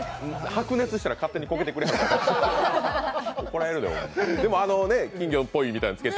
白熱したら、勝手にこけてくれるから。